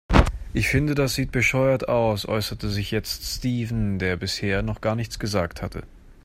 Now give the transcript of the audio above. Ich finde, das sieht bescheuert aus, äußerte sich jetzt Steven, der bisher noch gar nichts gesagt hatte.